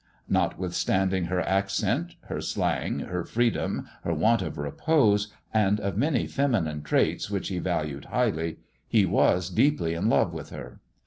Notwithstanding her accent, her slang, her freedom, her want of repose, and of many feminine traits which he valued highly, he was deeply in love with her.